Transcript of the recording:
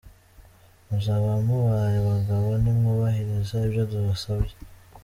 Muzaba mubaye abagabo nimwubahiriza ibyo tubasabye..